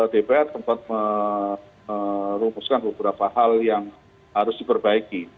dpr sempat merumuskan beberapa hal yang harus diperbaiki